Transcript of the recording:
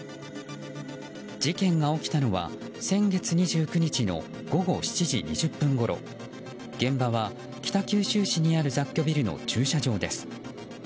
事件が起きたのは先月２９日の午後７時２０分ごろ現場は北九州市にある雑居ビルの駐車場です。